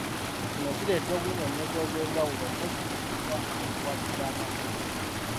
Kino kireeta obunnyonnyozi obw’enjawulo mpozzi obuyinza okuwabisa amakulu.